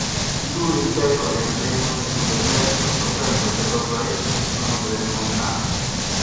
Lui interroga il demone sul deserto scoprendo che dopo esso ci sono delle montagne.